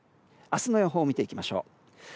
明日の予報、見ていきましょう。